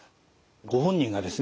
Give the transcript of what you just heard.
ご本人がですね